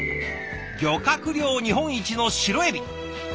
漁獲量日本一のシロエビ。